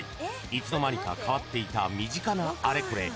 いつの間にか変わっていた身近なあれこれ。